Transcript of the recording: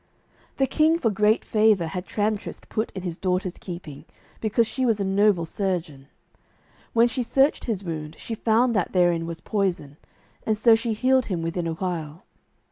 The king for great favour had Tramtrist put in his daughter's keeping, because she was a noble surgeon. When she searched his wound she found that therein was poison, and so she healed him within a while.